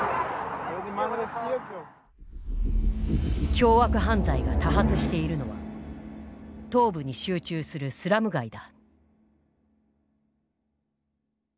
凶悪犯罪が多発しているのは東部に集中するスラム街だ。